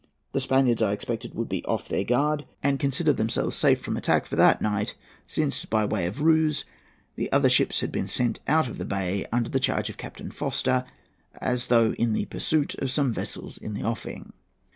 The Spaniards, I expected, would be off their guard, and consider themselves safe from attack for that night, since, by way of ruse, the other ships had been sent out of the bay under the charge of Captain Foster, as though in pursuit of some vessels in the offing.